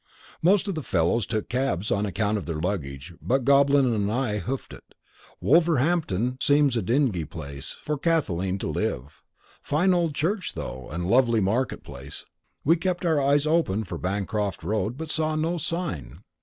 Most of the fellows took cabs, on account of their luggage, but Goblin and I hoofed it. Wolverhampton seems a dingy place for Kathleen to live! Fine old church, though, and lovely market place. We kept our eyes open for Bancroft Road, but saw no sign.